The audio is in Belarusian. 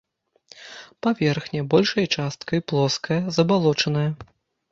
Паверхня большай часткай плоская, забалочаная.